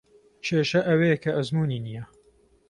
کێشە ئەوەیە کە ئەزموونی نییە.